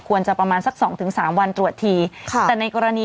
ควรจะประมาณสัก๒๓วันตรวจถี่